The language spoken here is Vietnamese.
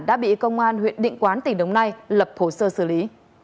đã bị công an huyện định quán tỉnh đồng nai lập hồ sơ xử lý